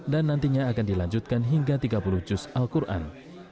dan nantinya akan dilanjutkan hingga tiga puluh juz al quran